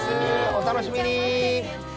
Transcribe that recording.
お楽しみに！